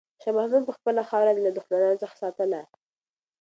شاه محمود به خپله خاوره له دښمنانو څخه ساتله.